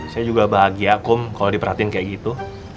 saya juga bahagia kum kalau diperhatiin kayak gitu